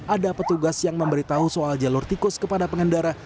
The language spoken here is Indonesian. ada petugas yang memberitahu soal jalur tikus kepada pengendara